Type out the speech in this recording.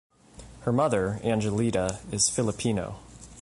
Her mother, Angelita, is Filipino.